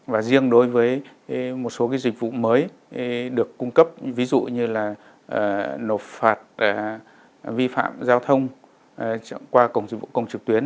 và riêng đối với một số dịch vụ mới được cung cấp ví dụ như là nộp phạt vi phạm giao thông qua cổng dịch vụ công trực tuyến